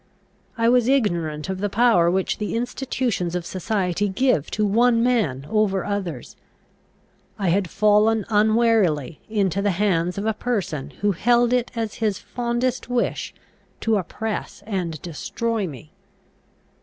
I was ignorant of the power which the institutions of society give to one man over others; I had fallen unwarily into the hands of a person who held it as his fondest wish to oppress and destroy me.